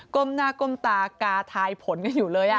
้มหน้าก้มตากาทายผลกันอยู่เลย